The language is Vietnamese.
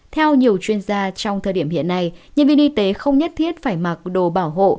theo nhiều chuyên gia trong thời điểm hiện nay nhân viên y tế không nhất thiết phải mặc đồ bảo hộ